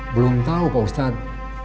belum tau pak ustadz